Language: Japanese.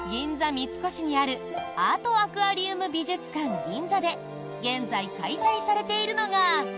三越にあるアートアクアリウム美術館ＧＩＮＺＡで現在、開催されているのが。